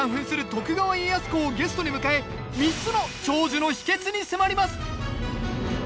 徳川家康公ゲストに迎え３つの長寿の秘訣に迫ります